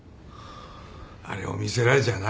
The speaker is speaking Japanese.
あれを見せられちゃな。